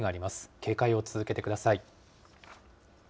警戒を続けてください。